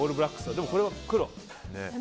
でも、これは黒。